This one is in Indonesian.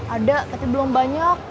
ada tapi belum banyak